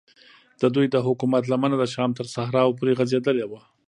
ددوی د حکومت لمنه د شام تر صحراو پورې غځېدلې وه.